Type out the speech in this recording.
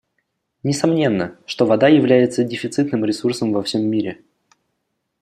Несомненно, что вода является дефицитным ресурсом во всем мире.